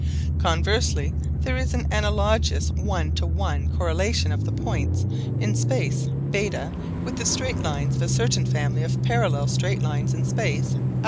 Conversely there is an analogous one to one correlation of the points in space β with the straight lines of a certain family of parallel straight lines in space α.